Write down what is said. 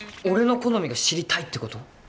俺の好みが知りたいってこと？